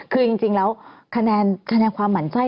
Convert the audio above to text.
คือจริงแล้วคะแนนความหมั่นไส้